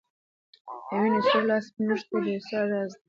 په وينو سور لاس موږ ته داسې څه را زده کوي